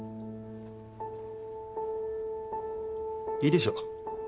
いいでしょう。